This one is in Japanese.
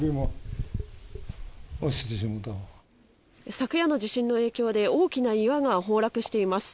昨夜の地震の影響で大きな岩が崩落しています